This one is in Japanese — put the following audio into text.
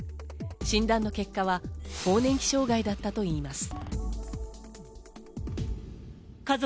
診断の結果は更年期障害だったといいます。